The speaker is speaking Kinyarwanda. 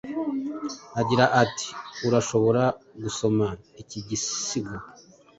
Agira ati Urashobora gusoma iki gisigo